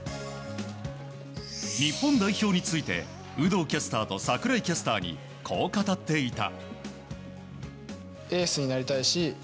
日本代表について有働キャスターと櫻井キャスターにこう語っていた。